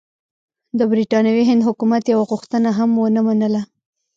د برټانوي هند حکومت یوه غوښتنه هم ونه منله.